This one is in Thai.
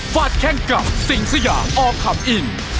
ฟาดแข่งกับสิงษยาออร์คัมอิน